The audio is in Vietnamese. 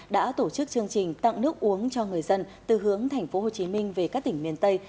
đã tổ chức chương trình tặng nước uống cho người dân từ hướng tp hcm về các tỉnh miền tây